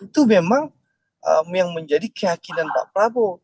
itu memang yang menjadi keyakinan pak prabowo